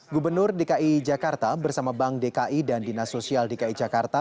gubernur dki jakarta bersama bank dki dan dinas sosial dki jakarta